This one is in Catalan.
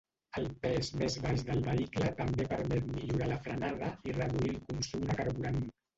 El pes més baix del vehicle també permet millorar la frenada i reduir el consum de carburant.